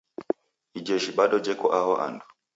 Ijeshi bado jeko aho andu.